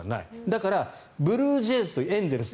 だからブルージェイズとエンゼルス